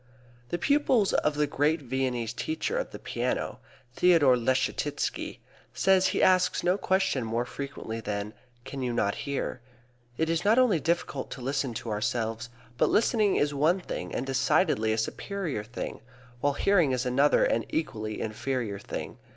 The pupils of the great Viennese teacher of the piano, Theodor Leschetizky, say he asks no question more frequently than "Can you not hear?" It is not only difficult to listen to ourselves, but listening is one thing and decidedly a superior thing, while hearing is another and equally inferior thing.